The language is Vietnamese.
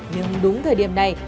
nhưng đúng thời điểm này